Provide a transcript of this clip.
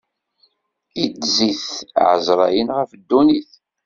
Iddez-it ɛezṛayen ɣef ddunit.